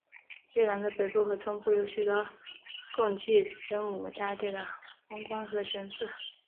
越南的北部和中部有许多奉祀真武大帝的宫观和神祠。